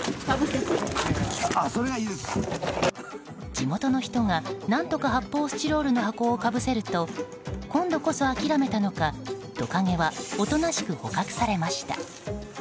地元の人が何とか発泡スチロールの箱をかぶせると今度こそ諦めたのか、トカゲはおとなしく捕獲されました。